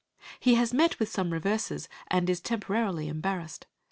He has met with some reverses, and is temporarily embarrassed.